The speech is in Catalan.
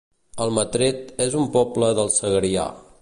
Almatret es un poble del Segrià